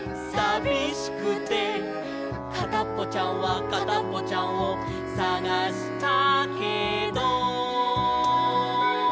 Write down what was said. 「かたっぽちゃんはかたっぽちゃんをさがしたけど」